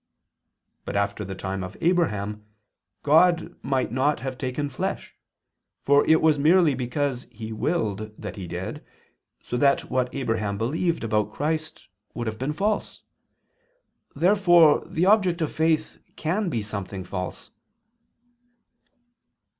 But after the time of Abraham, God might not have taken flesh, for it was merely because He willed that He did, so that what Abraham believed about Christ would have been false. Therefore the object of faith can be something false.